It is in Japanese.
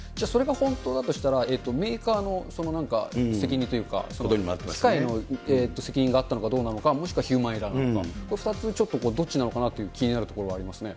それが本当だとしたら、メーカーの責任というか、機械の責任があったのかどうなのか、もしくはヒューマンエラーなのか、これ２つ、ちょっとどっちなのかなと気になるところありますね。